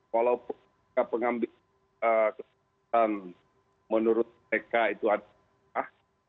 kalau pengambil keputusan menurut mereka itu adalah